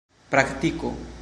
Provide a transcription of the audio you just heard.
praktiko